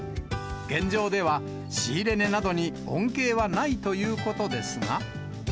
現状では、仕入れ値などに恩恵はないということですが。